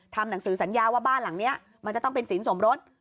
หนังสือสัญญาว่าบ้านหลังนี้มันจะต้องเป็นศีลสมรส